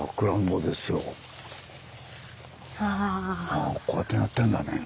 あぁこうやってなってんだね。